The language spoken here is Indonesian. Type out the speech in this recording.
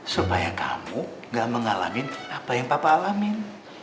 supaya kamu gak mengalami apa yang papa alamin